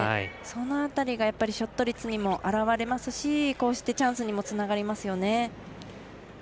その辺りが、やっぱりショット率にも表れますしこうしてチャンスにもつながりますよね。